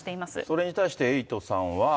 それに対してエイトさんは。